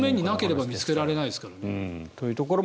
表面になければ見つけられないですからね。